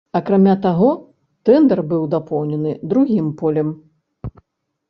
Акрамя таго, тэндэр быў дапоўнены другім полем.